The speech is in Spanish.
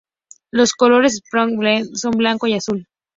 Los colores del Spartak Pleven son blanco y azul.